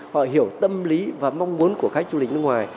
họ hiểu tâm lý và mong muốn của khách du lịch nước ngoài